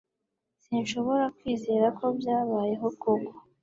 Sinshobora kwizera ko byabayeho koko.